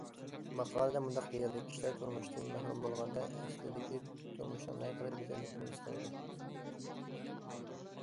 ماقالىدە مۇنداق دېيىلدى: كىشىلەر تۇرمۇشتىن مەھرۇم بولغاندا، ئەسلىدىكى تۇرمۇشنىڭ نەقەدەر گۈزەللىكىنى ھېس قىلىدۇ.